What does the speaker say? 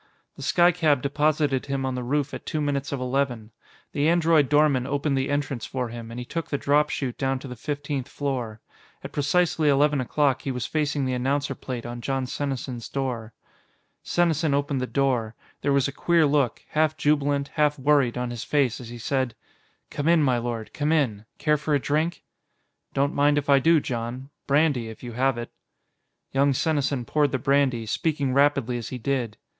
The skycab deposited him on the roof at two minutes of eleven. The android doorman opened the entrance for him, and he took the drop chute down to the fifteenth floor. At precisely eleven o'clock, he was facing the announcer plate on Jon Senesin's door. Senesin opened the door. There was a queer look half jubilant, half worried on his face as he said: "Come in, my lord, come in. Care for a drink?" "Don't mind if I do, Jon. Brandy, if you have it." Young Senesin poured the brandy, speaking rapidly as he did.